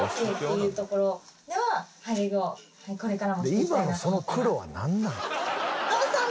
今のその黒はなんなん？